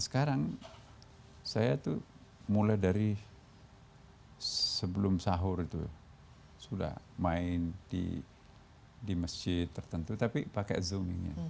sekarang saya tuh mulai dari sebelum sahur itu sudah main di masjid tertentu tapi pakai zoomingnya